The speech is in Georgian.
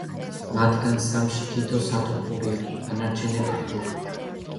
მათგან სამში თითო სათოფურია, დანარჩენები ყრუა.